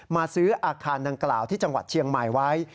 ซื้ออาคารดังกล่าวที่จังหวัดเชียงใหม่ไว้